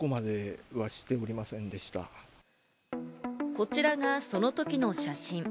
こちらがその時の写真。